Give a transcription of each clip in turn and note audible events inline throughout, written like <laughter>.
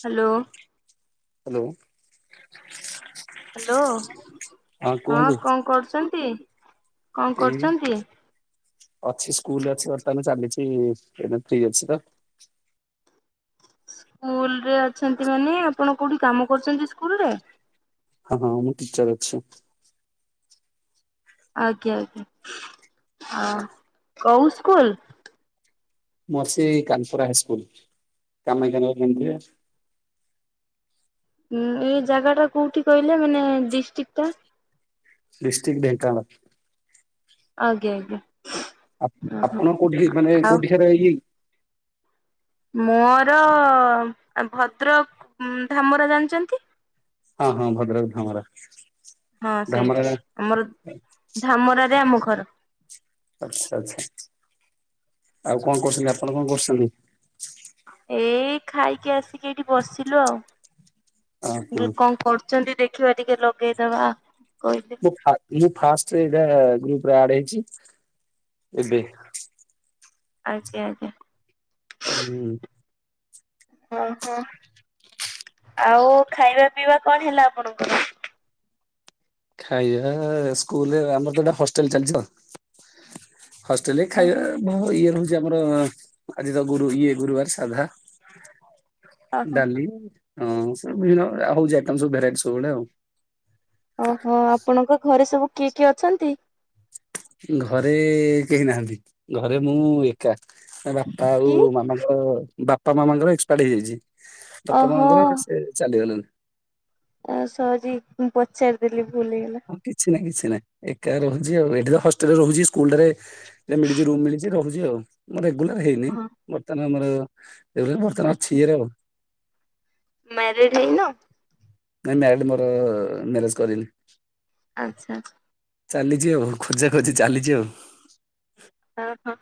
Hello. Hello hello କୁହନ୍ତୁ ହଁ କଣ କରୁଛନ୍ତି? କଣ ଏଇ କରୁଛନ୍ତି? ଅଛି ସ୍କୁଲ ଅଛି ବର୍ତ୍ତମାନ ଚାଲିଛି ଏଇନା ଫ୍ରି ଅଛି ତ। ସ୍କୁଲରେ ଅଛନ୍ତି ମାନେ ଆପଣ କୋଉଠି କାମ କରୁଛନ୍ତି ସ୍କୁଲରେ? ହଁ ହଁ ମୁଁ ଚାଲଛି। ଆଜ୍ଞା ଆଜ୍ଞା ଆ କୋଉ ସ୍କୁଲ। ମୁଁ ଅଛି କାନପୁରା ହାଇସ୍କୁଲ କାମାକ୍ଷାନଗର <unintelligible> ଉଁ ଏଇ ଜାଗାଟା କୋଉଠି କହିଲେ ମାନେ ଡିଷ୍ଟିକଟା। ଡିଷ୍ଟଟ୍ରିକ ଢେଙ୍କନାଲ୍। ଆଜ୍ଞା ଆଜ୍ଞା। ଆପ ଓହୋ ଆପଣ କୋଉଠି ମାନେ ଆଉ କୋଉଠି କାର ଇଏ ମୋର ଭଦ୍ରକ ଧାମରା ଜାଣିଛନ୍ତି। ହଁ ହଁ ଭଦ୍ରକ ଧାମରା। ହଁ ସେଇଠି, ଧାମରା ଆମର ଧାମରାରେ ଆମ ଘର। ଆଚ୍ଛା ଆଚ୍ଛା ଆଉ କଣ କରୁଛନ୍ତି, ଆପଣ କଣ କରୁଛନ୍ତି? ଏଇ ଖାଇକି ଆସିକି ଏଇଠି ବସିଲୁ ଆଉ। ଓହୋ କଣ କରୁଛନ୍ତି ଦେଖିବା ଟିକେ ଲଗେଇଦବା? କହିଲେ ମୁଁ ଫାଷ୍ଟ ଏଯୋଉ ଫାଷ୍ଟ ଏଟା ଗ୍ରୁପ୍। ପୁରା ଆଡ ହେଇଛି ଏବେ ଆଜ୍ଞା ଆଜ୍ଞା। ହୁଁ। ହଁ ହଁ। ଆଉ ଖାଇବା ପିଇବା କଣ ହେଲା ଆପଣଙ୍କର? ଖାଇବା ସ୍କୁଲେ ଆମର ତ ଗୋଟେ ହଷ୍ଟେଲ ଚାଲିଛି ଆଉ। ହଷ୍ଟେଲରେ ଓହୋ ଖାଇବା ବ ଇଏ ରହୁଛି। ଆମର ଆଜି ତ ଗୁରୁ ଇଏ ଗୁରୁବାର ସାଧା। ଓହୋ ଡାଲି ହଁ <unintelligible> ବିଭିନ୍ନ ହଉଛି ଆଇଟମ ସବୁ ଭେରାଇଟି ସବୁବେଳେ ଆଉ। ଓହୋ ଆପଣଙ୍କ ଘରେ ସବୁ କିଏ କିଏ ଅଛନ୍ତି? ଘରେ କେହି ନାହାନ୍ତି, ଘରେ ମୁଁ ଏକା। ତା ବାପା ଆଉ କି? ମାମାଙ୍କ, ବାପା ମାମାଙ୍କର ଏକ୍ସପାଡ ହେଇଯାଇଛି। ତପ ଓହୋ ମାଙ୍କର ସେ ଚାଲିଗଲାଣି। ଆଉ ସରି ମୁଁ ପଚାରିଦେଲି। ଭୁଲ ହେଇଗଲା। ହଁ କିଛି ନାହିଁ କିଛି ନାହିଁ ଏକା ରହୁଛି ଆଉ, ଏଠି ତ ହଷ୍ଟେଲରେ ରହୁଛି ସ୍କୁଲ ରେ ମିଳିଛି ରୁମ୍ ମିଳିଛି ରହୁଛି ଆଉ, ରେଗୁଲାର ହେଇନି ହଁ ବର୍ତ୍ତମାନ ଆମର ଏ ବର୍ତ୍ତମାନ ଆଚ୍ଛା ଆଛିିଏରୋ ମ୍ୟାରେଡ ହେଇନ? ନାଇଁ ମ୍ୟାରେଡ ମୋର ମ୍ୟାରେଜ କରିନି। ଆଛା। ଚାଲିଚି ଆଉ ଖୋଜା ଖୋଜି ଚାଲିଚି ଆଉ। ଓହୋ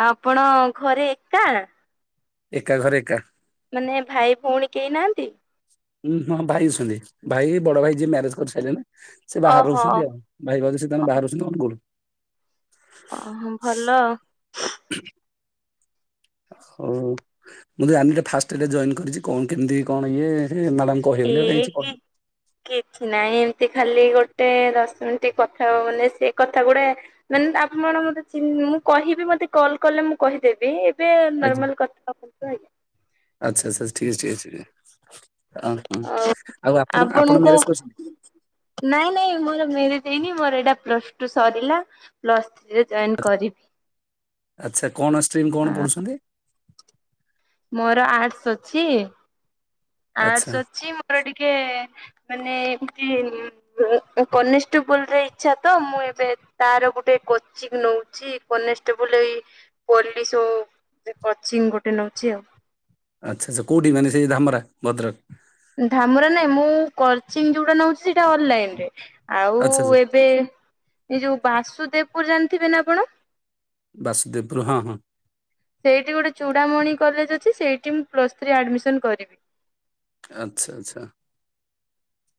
ଆ ଆପଣ ଘରେ ଏକା ଏକା ଘରେ ଏକା ମାନେ ଭାଇ ଭଉଣୀ କେହି ନାହାନ୍ତି? ହୁଁ ହଁ ଭାଇଛନ୍ତି ଭାଇ ବଡ ଭାଇ ଯିଏ ମ୍ୟାରେଜ କରିସାରିଲେନି ସେ ବାହାରୁ ଓହୋ ରହୁଛନ୍ତି ଆଉ ଭାଇ ଭ ସେତାନ ବାହାରୁ ରହୁଛନ୍ତି ଅନଗୁଳ। ଅହୋ ଭଲ ଆଉ। ହୋଉ ମୁଁ ଆ ଫାଷ୍ଟ ଏଇଟା ଜଏନ୍ କରିଛି କଣ କେମିତି କଣ ଇଏ ହେ ମ୍ୟାଡ଼ାମ କହିବେନି ଏଉଡ଼ା କିଛି କହି ନାଇଁ ଏମତି ଖାଲି ଗୋଟେ ଦଶ ମିନିଟ କଥା ହବ ମାନେ ସେ କଥା ଗୁଡା ମାନେ ଆପଣ ମୁଁ ଚି ମୁଁ କହିବି ମତେ କଲ୍ କଲେ ମୁଁ କହିଦେବି। ଏବେ ଆଜ୍ଞା ନର୍ମାଲ କଥା କୁ ଆଜ୍ଞା। ଓ ହ ଆଉ ଆପଣ ଆପଣ ଆପଣଙ୍କ ମ୍ୟାରେଜ କରୁଛନ୍ତି? ନାଇଁ ନାଇଁ ମୋର ଭେରୀ ଦେଇନି ମୋର ଏଇଟା ପ୍ଲସ ଟୁ ସରିଲା ପ୍ଲ ଥ୍ରୀ ଜଏନ କରିବି ଆଚ୍ଛା କଣ ଷ୍ଟ୍ରିମ୍ କଣ ଆ ପଢୁଛନ୍ତି ମୋର ଆର୍ଟ୍ସ ଅଛି। ଆଚ୍ଛା। ଆର୍ଟ୍ସ ଅଛି ମୋର ଟିକେ ମାନେ କନେଷ୍ଟେବୁଲ ରେ ଇଛା ତ ମୁଁ ଏବେ ତାର ଗୋଟେ କୋଚିଂ ନଉ ନଉଚି କନେଷ୍ଟବଲ ଏଇ ପୋଲିସ ବ କଚିଂ ଗୋଟେ ନଉଛି ଆଉ। ଆଛା ଆଛା କୋଉଠି ମାନେ ସେଇ ଧାମରା ଭଦ୍ରକ? ଧାମରା ନାଇଁ ମୁଁ କୋଚିଂ ଯୋଉଟା ନଉଛି ସେଇଟା ଅନଲାଇନ ରେ। ଆଉ ଆଚ୍ଛା ଆଚ୍ଛା ଏବେ ଏ ଯୋଉ ବାସୁଦେବପୁର ଜାଣିଥିବେ ନା ଆପଣ? ବାସୁଦେବ ବୃ ହଁ ହଁ। ସେଇଟି ଗୋଟେ ଚୂଡ଼ାମଣି କଲେଜ ଅଛି ସେଇଠି ମୁଁ ପ୍ଲସ୍ ଥ୍ରୀ ଆଡମିସନ କରିବି। ଆଚ୍ଛା ଆଚଛା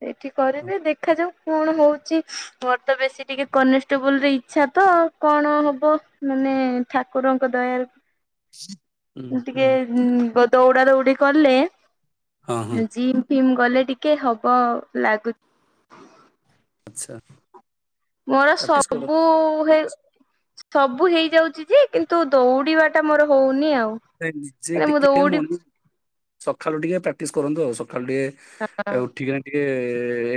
ସେଇଟି କରିବି ଦେଖାଯାଉ କଣ ହଉଚି। ମୋର ତ ବେଶୀ ଟିକେ କନେଷ୍ଟେବୁଲରେ ଇଚ୍ଛା ତ କଣ ହବ ମାନେ ଠାକୁର ଙ୍କ ଦୟାରୁ ହୁଁ ହୁଁ ଟିକେ ଦୌଡା ଦୌଡି କଲେ ହଁ ହଁ ଜିମ୍ ଫିମ୍ ଗଲେ ଟିକେ ହବ ଲାଗୁ ଆଛା। ମୋର ସବୁ ହେ ସବୁ ହେଇଯାଉଛି ଯେ କିନ୍ତୁ ଦୌଡିବାଟା ମୋର ହଉନି ଆଉ। ନିଜ ମାନେ ମୁଁ ଟିକିଟ ଦୌଡି ମଣଂ <unintelligible> ସକାଳୁ ଟିକେ ପ୍ରାକ୍ଟିସ କରନ୍ତୁ ଆଉ ସକାଳୁ ହଁ ଟିକେ ଉଠିକ ନା ଟିକେ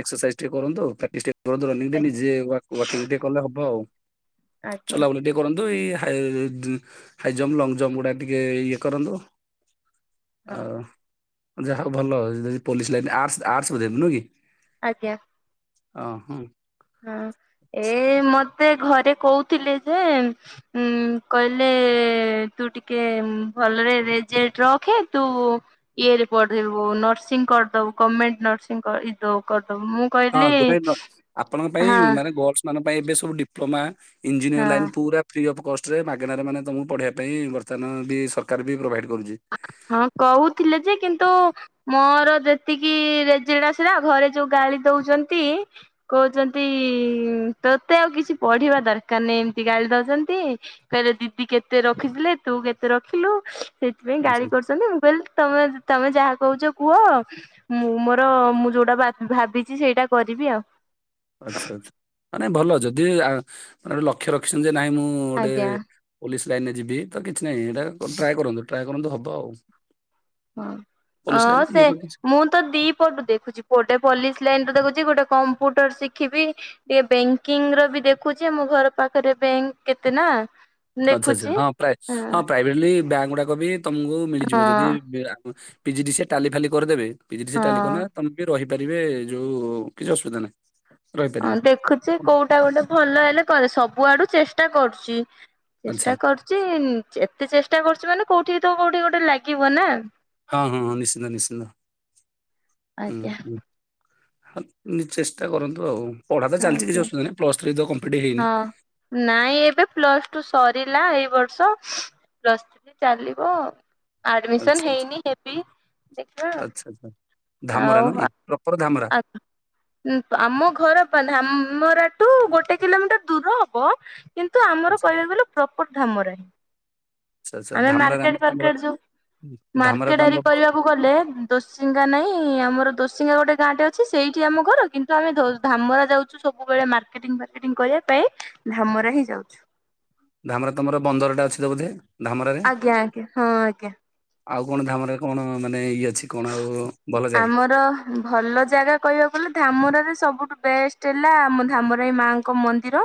ଏକ୍ସରସାଇଜ କରନ୍ତୁ ଆଉ ଆଜ୍ଞା <inaudible> କଲେ ହବ ଆଉ ଆଜ୍ଞା ଚଲା ବୁଲି ଟିକେ କରନ୍ତୁ ଏଇ ହାଏ ଉ ଜମ୍ପ ଲଙ୍ଗ ଜମ୍ପ ଗୁଡା ଟିକେ ଇଏ କରନ୍ତୁ ହଁ ଆଉ ଯାହା ଭଲ ଯଦି ପୋଲିସ ଲାଇନ ଆର୍ଟ୍ସ ଆର୍ସ ବଧେନୁହେଁ କି? ଆଜ୍ଞା। ଓ ହୋଁ। ହଁ ଏ ମତ ମତେ ଘରେ କହୁଥିଲେ ଯେ ଉ କହିଲେ ତୁ ଟିକେ ଉ ଭଲରେ ରେଜଲ୍ଟ ରଖେ ତୁ ଇଏ ରେ ପଢଦେବୁ ନର୍ସିଂ କରିଦବୁ ଗଭଣମେଣ୍ଟ ନ ଇ ଦଉ କରିଦବ ମୁଁ ହଁ କହିଲି ଗୋଟେ ନ- ଆପଣଙ୍କ ପାଇଁ ହଁ ମାନେ ଗଲସ ମାନ ପାଇଁ ଏବେ ସବୁ ଡିପ୍ଲମା ଇଞ୍ଜିନିୟରିଂ ହଁ। ଲାଇନ ପୁରା ଫ୍ରି ଅଫ୍ କଷ୍ଟରେ ମାଗଣାରେ ମାନେ ତମକୁ ପଢ଼ିବା ପାଇଁ ବର୍ତ୍ତମାନ ବି ସରକାର ବି ପ୍ରୋଭାଇଡ଼୍ ହଁ କହୁଥିଲେ ଯେ କିନ୍ତୁ ମୋର ଯେତିକି ରେଜେଲେଟ <inaudible> ସା ଘରେ ଯୋଉ ଗାଳି ଦଉଛନ୍ତି କହୁଛନ୍ତି। ତୋତେ ଆଉ କିଛି ପଢିବା ଦରକାର ନାହିଁ ଏମିତି ଗାଳି ଦଉଛନ୍ତି କହିଲେ ଦିଦି କେତେ ରଖିଥିଲେ। ତୁ କେତେ ରଖିଲୁ ସେଇଥିପାଇଁ ଆଚ୍ଛା ଗାଳି କରୁଛନ୍ତି ମୁଁ କହିଲି ତମେ ତମେ ଯାହା। କହୁଛ କୁହ ମୁଁ ମୋର ମୁଁ ଯୋଉଟା ବାଛି ଭାବିଛି ସେଇଟା କରିବି ଆଉ। ଆଚ୍ଛା ଆଛା ମାନେ ଭଲ ଯଦି ଆ ମାନେ ଗୋଟେ ଲକ୍ଷ୍ୟ ରଖିଛନ୍ତି ନାଇଁ ମୁଁ ଗୋଟେ ଆଜ୍ଞା। ପୋଲିସ। ଲାଇନରେ ଯିବି ତ କିଛି ନାହିଁ ଏଇଟା ଟ୍ରାଏ କରନ୍ତୁ ଟ୍ରାଏ କରନ୍ତୁ ହବ ଆଉ। ହଁ ପୋଲିସ ହଁ ଲାଇନ ଇଏ ସେ ତ କିଛି ମୁଁ ତ ଦି ପଟୁ ଦେଖୁଛି ଗୋଟେ ପୋଲିସ ଲାଇନରେ ଦେଖୁଛି ଗୋଟେ କମ୍ପ୍ୟୁଟର ଶିଖିବି ଟିକେ ବ୍ୟାଙ୍କିଙ୍ଗ ର ବି ଦେଖୁଛି ମୋ ଘର ପାଖରେ ବ୍ୟାଙ୍କ କେତେ ନା <inaudible> ଆଚ୍ଛା ଆଛା ଦେଖୁଛି ହଁ ପ୍ରାଇ ହଁ ପ୍ରାଇଭେଟ ଲି ବ୍ୟାଙ୍କ ଗୁଡାକ ବି ତମକୁ ମିଳିଯିବ ଯଦି ହଁ ପିଜିଡିସିଏ ସେ ଟାଲି ଫାଲି କରିଦେବେ ପିଜିଡିସିଏ ସେ ଟାଲି ତମେ ବି ରହି ପାରିବେ ଯୋଉ କିଛି ଅସୁବିଧା ନାହିଁ। ହଁ ରହିପାରିବେ ଦେଖୁଛି କୋଉଟା ଗୋଟେ ଭଲ ହେଲେ କରେ ସବୁ ଆଡୁ ଚେଷ୍ଟା କରୁଛି। ଆଚ୍ଛା ଚେଷ୍ଟା କରୁଛି ଏତେ ଚେଷ୍ଟା କରୁଛି ମାନେ କୋଉଠି ତ କୋଉଠି ଗୋଟେ ଲାଗିବ ନା। ହଁ ହଁ ହଁ ନିଶ୍ଚିନ୍ତ ନିଶ୍ଚିନ୍ତ ହୁଁ ଆଜ୍ଞା ହୁଁ । ହଁ ଚେଷ୍ଟା କରନ୍ତୁ ଆଉ। ପଢା ତ ହଁ ଚାଲିଛି କିଛି ଆଜ୍ଞା ଅସୁବିଧା ନାହିଁ ପ୍ଲସ୍ ଥ୍ରୀ ତ କମ୍ପ୍ଲିଟ୍ ହେଇନି ହଁ ନାଇଁ ଏବେ ପ୍ଲସ ଟୁ ସରିଲା ବର୍ଷ ପ୍ଲସ ଥ୍ରୀ ଚାଲିବ। ଆଚ୍ଛା ଆଡମିସନ ଆଚ୍ଛା ହେଇନି ହେବି ଦେଖିବା। ଆଚ୍ଛା ଆଚ୍ଛା ଆଉ ଧାମରା ନୁହଁ କି ପ୍ରପର ଧାମରା ଆ -ଆମ ଘର ଧାମରା। ତୁ ଗୋଟେ କିଲୋମିଟର ଦୂର ହବ କିନ୍ତୁ ଆମର ଆଚ୍ଛା କହିବାକୁ ଗଲେ ପ୍ରପର ଧାମରା ରେ। ଆଚ୍ଛା ଆଚ୍ଛା ଆମେ ଧାମରାରେ ମାର୍କେଟ ଆମର ତମର ପାର୍କେଟ ଯାଉ। ଧାମରା ମାର୍କେଟ ତ ଆରରି ଆମର କରିବାକୁ ଗଲେ ଦୋସିଙ୍ଗା ନାଇଁ ଆମର ଦୋ ଦୋ ଗୋଟେ ଗାଁଟେ ଅଛି ସେଇଠି ଆମ ଘର କିନ୍ତୁ ଆମେ ଧାମରା ଯାଉଛୁ ସବୁବେଳେ ମାର୍କେଟିଂ ଫାର୍କେଟିଂ କରିବା ପାଇଁ। ଉଁ ଧାମରା ହେଇ ଯାଉଛୁ। ଧାମରା ତମର ବନ୍ଦରଟା ଅଛି ତ ବୋଧେ। ଧାମରାରେ ଆଜ୍ଞା ଆଜ୍ଞା ହଁ ଆଜ୍ଞା। ଆଉ କଣ ଧାମରାରେ କଣ ମାନେ ଇଏ ଅଛି କଣ ଆଉ ଭଲ ଜାଗା ଆମର ଭଲ ଜାଗା କହିବାକୁ ଗଲେ ଧାମରରେ ସବୁଠୁ ବେଷ୍ଟ ହେଲା ଆମ ଧାମରାଇ ମାଙ୍କ ମନ୍ଦିର।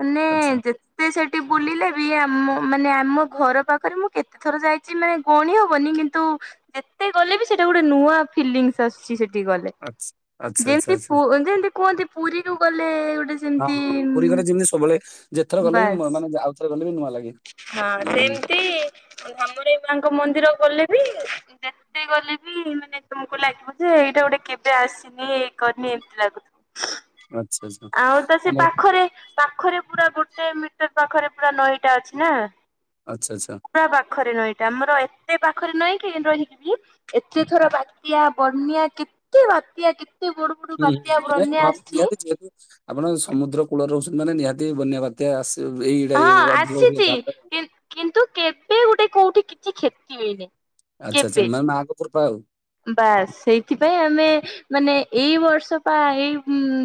ମାନେ ଆଚ୍ଛା ଯେତେ ସେଠି ବୁଲିଲେ ବି ଆ ମୁଁ ମାନେ ଆମ ଘର ପାଖରେ ମୁଁ କେତେ ଥର ଯାଇଛି ମାନେ ଗଣି ହବନି କିନ୍ତୁ ଯେତେ କଲେ ବି ସେଇଟା ଗୋଟେ ନୂଆ ଫିଲିଙ୍ଗସ ଆସୁଛି ସେଠି। ଗଲେ ଆଚ୍ଛା ଆଚ୍ଛା ଆଚ୍ଛା ଯେମତି ଆଚ୍ଛା ଯେମିତି କୁହନ୍ତି ପୁରୀରୁ ଗଲେ ଗୋଟେ ହଁ ଯେମିତି ହଁ ପୁରୀ ଯେମିତି ସବୁବେଳେ ଯେଥର ଗଲେ ବି ମାନେ ଆଉଥରେ ଗଲେ ବି ନୂଆ ଲାଗେ ହଁ ହୁଁ ସେମିତି ଧାମରେ ମାଙ୍କ ମନ୍ଦିର ଗଲେ ବି ମୋତେ ଗଲେ ବି ମାନେ ତୁମକୁ ଲାଗିବ ଯେ ଏଇଟା ଗୋଟେ କେବେ ଆସିନି ଏଇ କରିନି ଏମିତି ଲାଗୁଥିବ। ଆଚ୍ଛା ଆଚ୍ଛା ଆଉ ତ ସେ ଆମର ପାଖରେ ପାଖରେ ପୁରା ଗୋଟେ ମିଟର ପାଖରେ ପୁରା ନଈଟା ଅଛି ନା ଆଚ୍ଛା ଆଚ୍ଛା ପୁରା ପାଖରେ ନଈଟା ଆମର ସେ ପାଖରେ ନାହିଁକି ରହିକିବି ଏତେ ଥର ବାତ୍ୟା ବନ୍ୟା କେତେ ବାତ୍ୟା କେ ହୁଁ ହ ନାଇଁ ହଁ ନିହାତି ନିହାତି। ଆପଣ ସମୁଦ୍ର କୂଳରେ ରହୁଛନ୍ତି ମାନେ ନିହାତି ବନ୍ୟା ବାତ୍ୟା ଆସ ହଁ ଆସିଛି କିନ୍ତୁ କେବେ ଗୋଟେ କୋଉଠି କିଛି କ୍ଷତି ହେଇନି। ଆଚ୍ଛା ଆଚ୍ଛା କେବେ। ମାନେ ମାଆ ଙ୍କ କୃପା ଆଉ। ବାସ୍ ସେଇଥିପାଇଁ ଆମେ ମାନେ ଏଇ ବର୍ଷ ବା ଏଇ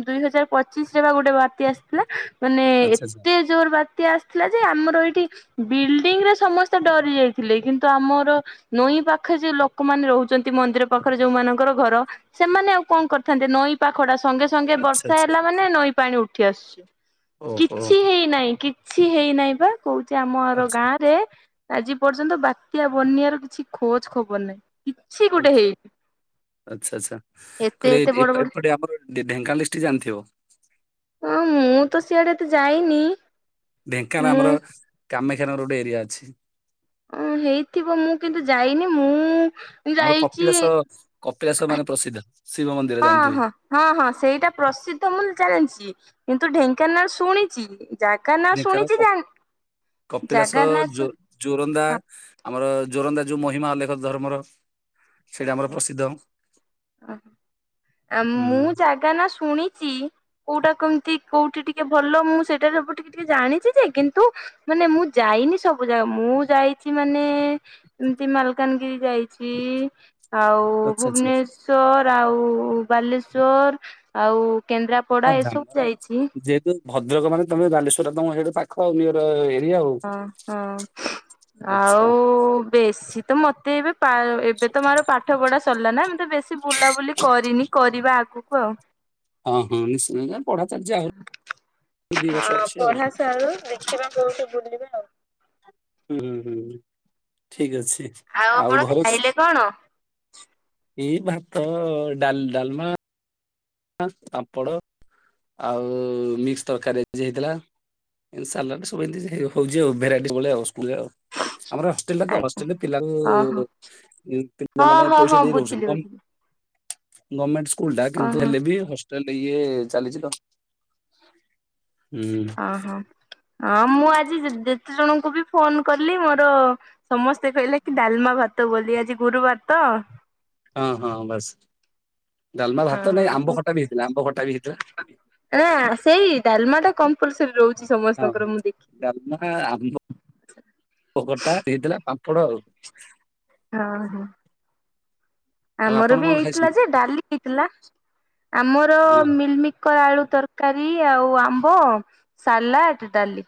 ଦୁଇ ହଜାର ପ ପଚିଶ ରେ ବା ଗୋଟେ ବାତ୍ୟା ଆସିଥିଲା ମାନେ ଆଚ୍ଛା ଆଚ୍ଛା ଏତେ ଜୋର ବାତ୍ୟା ଆସିଥିଲା ଯେ ଆମର ଏଇଠି ବିଲ୍ଡିଂ ରେ ସମସ୍ତେ ଡରି ଯାଇଥିଲେ କିନ୍ତୁ ଆମର ନଈ ପାଖେ ଯ ଲୋକମାନେ ରହୁଛନ୍ତି ମନ୍ଦିର ପାଖରେ ଯୋଉ ମାନଙ୍କ ଘର ସେମାନେ ଆଉ କଣ କରିଥାନ୍ତେ ନଈ ପାଖଡା ସଙ୍ଗେ ସଙ୍ଗେ ଆଚ୍ଛା ଆଚ୍ଛା ବର୍ଷା ହେଲା ମାନେ ନଈ ପାଣି ଉଠି ଆସୁଛି। ଓହୋ କିଛି ହେଇନାହିଁ କିଛି ହେଇନାହିଁ ବା କହୁଛି ଆମର ଆଚ୍ଛା ଗାଁରେ ଆଜି ପର୍ଯ୍ୟନ୍ତ ବାତ୍ୟା ବନ୍ୟାର କିଛି ଖୋଜ ଖବର ନାହିଁ କିଛି ଗୋଟେ ଆଚ୍ଛା ହେଇନି। ଆଚ୍ଛା ଆଛା ଏତେ କହିଲେ ଏତେ ଏ ବଡ ବଡ ଏପଟେ ଆମର ଢେଙ୍କାନାଳ ଡିଷ୍ଟିକ ଜାଣିଥିବ ହଁ ମୁଁ ତ ସିଆଡେ ଏତେ ଯାଇନି ଢେଙ୍କାନାଳ ମୁଁ ଆମର କାମାକ୍ଷା ନଗର ଗୋଟେ ଏରିଆ ଅଛି। ଅ ହେଇଥିବ ମୁଁ କିନ୍ତୁ ଯାଇନି ମୁଁ ଆମର ଯାଇଛି କପିଳାସ କପିଳାସ ମାନେ ପ୍ରସିଦ୍ଧ ଶିବ ମନ୍ଦିର ହଁ ଜାଣିଥିବେ ହଁ ହଁ ହଁ ସେଇଟା ପ୍ରସିଦ୍ଧ ମୁଁ ଜାଣିଛି। କିନ୍ତୁ ଢେଙ୍କାନାଳ ଶୁଣିଛି ଜାଗା ନା ଢେଙ୍କାନ ଶୁଣିଛି କପିଳାସୋ ଜାଗା ନା ଶୁ ଜୋରନ୍ଦା ହଁ ଆମର ଜୋରନ୍ଦା ଯୋଉ ମହିମା ଅଲେଖ ଧର୍ମର ସେଇଟା ଆମର ଆଜ୍ଞା ପ୍ରସିଦ୍ଧ ଆଁ ମୁଁ ହୁଁ ଜାଗା ନା ଶୁଣିଛି କୋଉଟା କେମତି କୋଉଠି ଟିକେ ଭଲ ମୁଁ ସେଇଟା ସବୁ ଟିକେ ଟିକେ ଜାଣିଛି ଯେ କିନ୍ତୁ ମାନେ ମୁଁ ଯାଇନି ସ ସବୁ ଯାଗା ମୁଁ ଯାଇଛି ମାନେ ଏମିତି ମାଲକାନଗିରି ଯାଇଛି ଆଉ ଆଚ୍ଛା ଆଚ୍ଛା ଭୁବନେଶ୍ଵର ଆଉ ବାଲେଶ୍ଵର ଆଉ ହଁ କେନ୍ଦ୍ରାପଡା ଏସବୁ ଧାମରା ଯାଇଛି। ଯେହେତୁ ଭଦ୍ରକ ମାନେ ତମେ ବାଲେଶ୍ୱର ତମ ସେଇଟ ପାଖ ଆଉ ନିର ଏ ହଁ ହଁ। ଆଚ୍ଛା ଆଉ ବେଶୀ ତ ମତେ ଏବେ ଏବେ ତ ମର ପାଠ ପଢା ସରିଲା ନା ମତେ ବେ ବେଶୀ ବୁଲାବୁଲି କରିନି କରିବା ଆଗକୁ ଆଉ। ପଢାଚାଲଛି ଆଉ ହଁ ପଢା ସରୁ ଦେଖିବା କୋଉଠିୁ ବୁଲିବା ଆଉ ହଁ ହୁଁ ଠିକ ଅଛି ଆଉ ଆପଣ ଘରେ ଖାଇଲେ କଣ? ଏଇ ଭାତ ଡାଲ ଡାଲମା ପାମ୍ପଡ ଆଉ ମିକ୍ସ ତରକାରୀ ଆଜି ହେଇଥିଲା। ଏଇ ସାଲାଡ ସବୁ ଏମତି ତି ହଉଛି ଆଉ ଭେରାଇଟି ସବୁବେଳେ ଆଉ ସ୍କୁଲ ରେ ଆଉ। ଆମର ହଷ୍ଟେଲ ଟା ତ ଆଜ୍ଞା ହଷ୍ଟେଲରେ ଓହୋ ପିଲାଙ୍କୁ ପି ପିଲା ହଁ ମାନେ ହଁ ପଇସା ହଁ ଦେଇ ରହୁଛନ୍ତି ବୁଝିଲି କ ବୁଝିଲି। ଗମେଣ୍ଟ ସ୍କୁଲ ଟା କିନ୍ତୁ ଓହୋ ହେଲେ ବି ହେଲବି ହଷ୍ଟେଲ ଇଏ ଚାଲିଛି ତ ହୁଁ। ଓହୋ ହଁ ମୁଁ ଆଜି ଯେ ଯେ ସତେ ଜଣଙ୍କୁ ବି ଫୋନ କଲି ମୋର ସମସ୍ତେ କହିଲେ କି ଡାଲମା ଭାତ ବୋଲି ଆଜି ଗୁରୁ ତ ହଁ। ହଁ ହଁ ବାସ୍ ଡାଲମା ଭାତ ନାଇଁ ଆମ୍ବ ହଁ। ଖଟା ବି ହେଇଥିଲା ଆମ୍ବ ଖଟା ବି ହେଇଥିଲା। ନା ସେଇ ଡାଲମା ଟା କମ୍ପଲସରି ରହୁଚି ହଁ ହଁ ଡାଲମା ଆମ୍ବ ଖଟା ହେଇଥିଲା। <unintelligible> ହଁ ହଁ। ଆଉ ଆମର ଆପଣ ବି କଣ ହେଇଥିଲା ଖାଇଛନ୍ତି? ଯେ ଡାଲି ହେଇଥିଲା ଆମର ହଁ ମିଲମିକର ଆଲୁ ତରକାରୀ ଆଉ ଆମ୍ବ ସାଲାଟ ଡାଲି।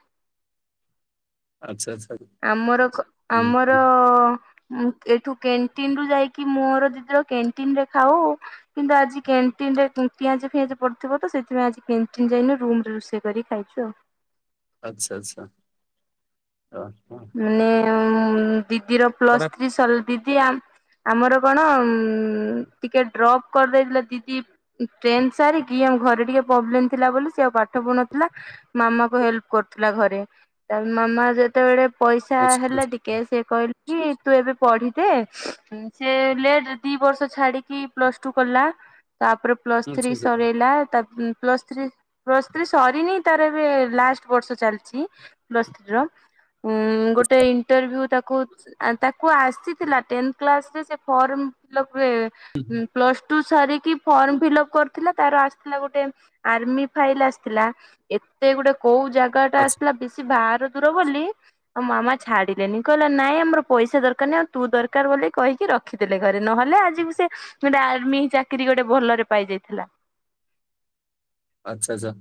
ଆଚ୍ଛା ଆଛା। ଆମର ଖ ଆମର ଅ-ଅ ଏଠୁ କ୍ୟାଣ୍ଟିନ ରୁ ଯାଇକି ମୋର ଦିଦିର କ୍ୟାଣ୍ଟିନ ରେ ଖାଉ କିନ୍ତୁ ଆଜି କ୍ୟାଣ୍ଟିନ ପିଆଜ ଫିଆଜ ପଡିଥିବ ତ ସେଥିପାଇଁ ଆଜି କ୍ୟାଣ୍ଟିନ ଯାଇନୁ ରୁମ ରେ ରୋଷେଇ କରି ଖାଇଛୁ ଆଉ। ଆଚ୍ଛା ଆଚ୍ଛା ହ। ମାନେ ଦିଦିର ପ୍ଲସ୍ ଥ୍ରୀ ସରିଲ ଦିଦି ଆ ଆମର କଣ ଉ ଟିକେ ଡ୍ରପ୍ କରିଦେଇଥିଲା ଦିଦି ଟ୍ରେନ ସାରିକି ମ ଘରେ ଟିକେ ପ୍ରୋବ୍ଲେମ ଥିଲା ବୋଲି ସେ ଆଉ ପାଠ ପଢୁଥିଲା ମାମା କୁ ହେଲ୍ପ କରୁଥିଲା ଘରେ ତା ମାମା ଯେତେବେଳେ ପଇସା ଆଚ୍ଛା ହେଲା ଟିକେ ଆଚ୍ଛା ସେଏ କହିଲା କି ତୁ ଏବେ ପଢିସେ ଲେଟ ରେ ଦି ବର୍ଷ ଛାଡିକି ପ୍ଲସ ଟୁ ପଡଲା ତାପରେ ପ୍ଲସ୍ ଆଚ୍ଛା ଥ୍ରୀ ସରାଇଲା ତା ପ ମ ମ ପ୍ଲସ ସ୍ତ୍ରୀ ପ୍ଲସ ଥ୍ରୀ ସରିନି ତାର ଏବେ ଲାଷ୍ଟ ବର୍ଷ ଚାଲିଛି ପ୍ଲସ ଥ୍ରୀ ର ଉଁ ଗୋଟେ ଇଣ୍ଟରଭି୍ୟୁ ତାକୁ ତାକୁ ଆସିଥିଲା ଟେନ କ୍ଲାସରେ ସେ ଫର୍ମ ଫିଲପ ରେ ପ୍ଲସ ଟୁ ସାରିକି ଫର୍ମ ଫିଲପ କରିଥିଲା ତାର ଆସିଥିଲା ଗୋଟେ ଆର୍ମି ଫାଇଲ ଆସିଥିଲା ଏତେ ଗୋଟେ କୋଉ ଜାଗା ଆଚ୍ଛା ଟା ଆଚ୍ଛା ଆସଥିଲା ବେଶୀ ବାହାର ଦୂର ବୋଲି ଆଉ ମାମା ଛାଡିଲେନି କହିଲା ନାଇଁ ଆମର ପଇସା ଦରକାର ନାହିଁ ଆଉ ତୁ ଦରକାର ବୋଲି କହିକି ରଖିେ ଘରେ ନ ନହଲେ ଆଜିକୁ ସେ ଗୋଟେ ଆର୍ମି ଚାକିରି ଗୋଟେ ଭଲରେ ପାଇଯାଇଥିଲା। ଆଚ୍ଛା ଆଛା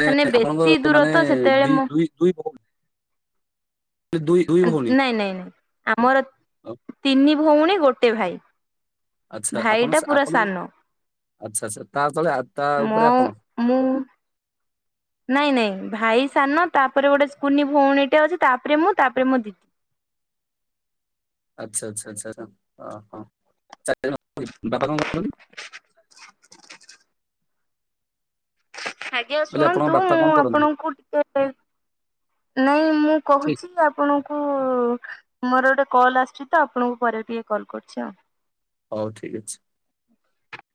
ମାନେ ବେଶୀ ଆପଣଙ୍କ ଦୂର ମାନେ ତ ସେତେବେଳେ ଦି ମୁଁ ଦୁଇ ଦୁଇ ବହୁ ନାଇଁ ନାଇଁ ନାଇଁ ଆମର ଅ, ତିନି ଭଉଣୀ ଗୋଟେ ଭାଇ। ଭାଇଟା ପୁରା ସାନ। ଆଛା ଆଚ୍ଛା ତା ତଳେ ତା ମୋ ଉପରେ ଆପଣ। ମୁଁ ନାଇଁ ନାଇଁ ଭାଇ ସାନ ତାପରେ ଗୋଟେ କୁନି ଭଉଣୀଟା ଅଛି ତାପରେ ମୁଁ ତାପରେ ମୋ ଦିଦି ଆଚ୍ଛା ଆଚ୍ଛା ଆଛା ଅ ହ <unintelligible> ବାପା କଣ କରନ୍ତି? ଆଜ୍ଞା କହିଲେ ଆପଣଙ୍କ ଶୁଣନ୍ତୁ ବାପା କଣ ମୁଁ କରନ୍ତି ଆପଣଙ୍କୁ ଟିକେ ପରେ ନାଇଁ। ମୁଁ ଠିକ କହୁଛି ଆପଣଙ୍କୁ ମୋର ଗୋଟେ କଲ୍ ଆସୁଛି ତ ଆପଣଙ୍କୁ ପରେ ଟିକେ କଲ୍ କରୁଛି ଆଉ। ହଉ ଠିକ ଅଛି।